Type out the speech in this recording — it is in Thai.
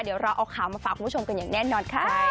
เดี๋ยวเราเอาข่าวมาฝากคุณผู้ชมกันอย่างแน่นอนค่ะ